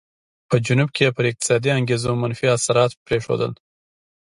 په جنوب کې یې پر اقتصادي انګېزو منفي اثرات پرېښودل.